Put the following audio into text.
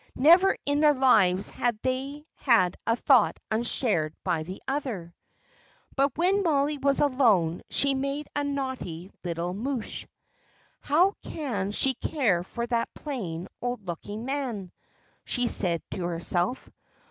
Never in their lives had they had a thought unshared by the other. But when Mollie was alone she made a naughty little mouche. "How can she care for that plain, old looking man?" she said to herself.